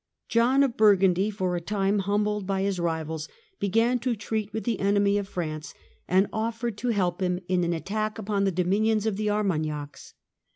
John of Bur gundy, for a time humbled by his rivals, began to treat with the enemy of France and offered to help him in an attack upon the dominions of the Armagnacs.